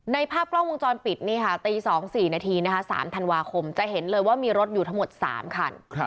ภาพกล้องวงจรปิดนี่ค่ะตี๒๔นาทีนะคะ๓ธันวาคมจะเห็นเลยว่ามีรถอยู่ทั้งหมด๓คัน